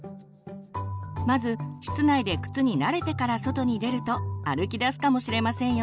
まず室内で靴に慣れてから外に出ると歩きだすかもしれませんよ。